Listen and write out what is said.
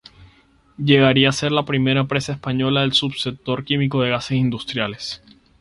Llegaría a ser la primera empresa española del subsector químico de gases industriales.